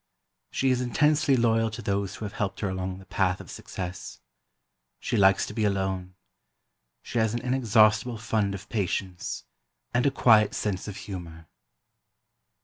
"She is intensely loyal to those who have helped her along the path of success. She likes to be alone. She has an inexhaustible fund of patience, and a quiet sense of humor."